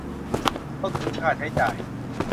ต้นทุนค่าใช้จ่าย